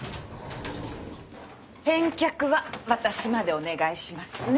返却は私までお願いしますね。